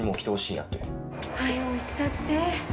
はよ行ったって。